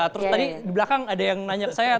terus tadi di belakang ada yang nanya ke saya